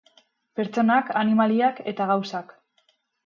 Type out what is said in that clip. Pertsonak, animaliak eta gauzak.